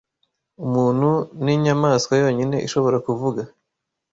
Umuntu ninyamaswa yonyine ishobora kuvuga.